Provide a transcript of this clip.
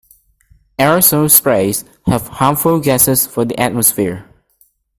Aerosol sprays have harmful gases for the atmosphere.